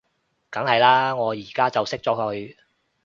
梗係喇，我而家就熄咗佢